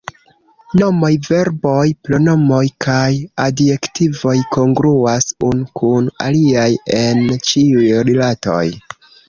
Nomoj, verboj, pronomoj kaj adjektivoj kongruas unu kun aliaj en ĉiuj rilatoj.